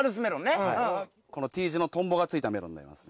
このＴ字のとんぼが付いたメロンになります。